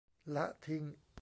ละทิ้ง